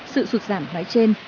sự sụt giảm nói trên